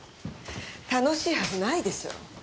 楽しいはずないでしょ。